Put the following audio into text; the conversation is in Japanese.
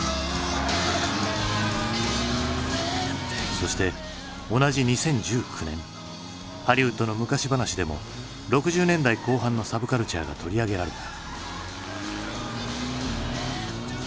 そして同じ２０１９年ハリウッドの昔話でも６０年代後半のサブカルチャーが取り上げられた。